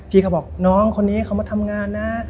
พี่เขาบอกน้องคนนี้เขามาทำงานนะ